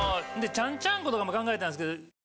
ちゃんちゃんことかも考えたんすけど。